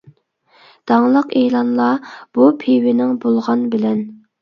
داڭلىق ئېلانلا بۇ پىۋىنىڭ بولغان بىلەن.